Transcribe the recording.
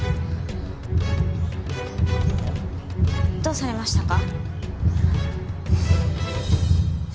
どうされましたか？